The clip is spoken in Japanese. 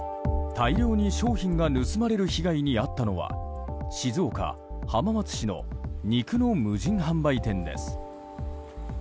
大量に商品が盗まれる被害に遭ったのは静岡・浜松市の肉の無人販売店です。